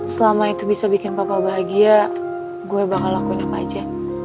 selama itu bisa bikin papa bahagia gue bakal lakuin apa aja